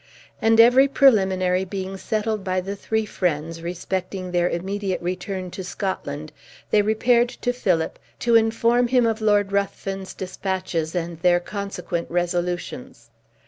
And every preliminary being settled by the three friends respecting their immediate return to Scotland, they repaired to Philip, to inform him of Lord Ruthven's dispatches and their consequent resolutions.